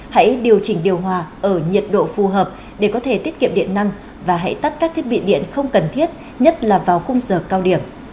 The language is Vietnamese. hãy điều chỉnh điều hòa ở nhiệt độ phù hợp để có thể tiết kiệm điện năng và hãy tắt các thiết bị điện không cần thiết nhất là vào khung giờ cao điểm